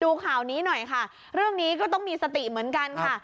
ดูข่าวนี้หน่อยค่ะเรื่องนี้ก็ต้องมีสติเหมือนกันค่ะ